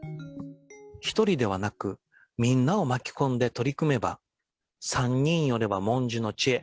１人ではなく、みんなを巻き込んで取り組めば、３人寄れば文殊の知恵。